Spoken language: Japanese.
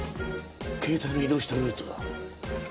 携帯の移動したルートだ。